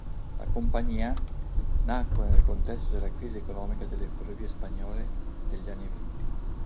La "compañía" nacque nel contesto della crisi economica delle ferrovie spagnole degli anni venti.